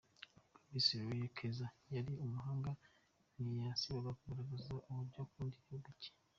N’ubwo Miss Linah Keza yari mu mahanga ntiyasibaga kugaragaza uburyo akunda igihugu cye.